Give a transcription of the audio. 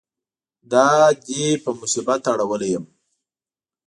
دا دې په مصیبت اړولی یم.